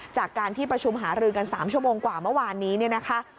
จากการที่ประชุมหารือกัน๓ชั่วโมงกว่าเมื่อวานนี้เนี่ยนะคะ